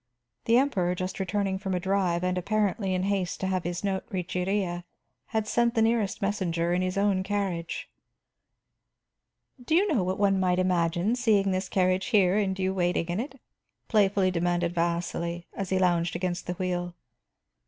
The Emperor, just returning from a drive and apparently in haste to have his note reach Iría, had sent the nearest messenger in his own carriage. "Do you know what one might imagine, seeing this carriage here and you waiting in it?" playfully demanded Vasili, as he lounged against the wheel.